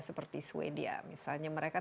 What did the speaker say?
seperti swedia misalnya mereka